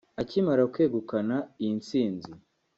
Akimara kwegukana iyi tsinzi